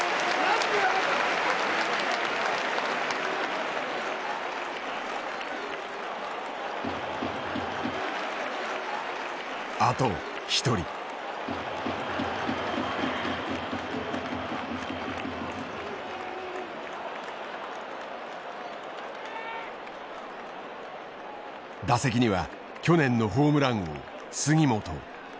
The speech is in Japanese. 打席には去年のホームラン王杉本。